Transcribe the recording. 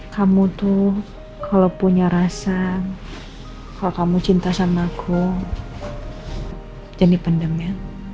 kamu tuh kalau punya rasa kalau kamu cinta sama aku jangan dipendam ya